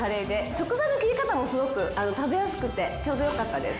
食材の切り方もすごく食べやすくてちょうどよかったです。